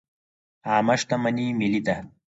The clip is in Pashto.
عامه شتمني ملي ده